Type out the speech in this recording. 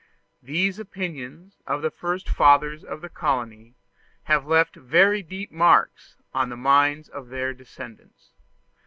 These opinions of the first fathers of the colony have left very deep marks on the minds of their descendants.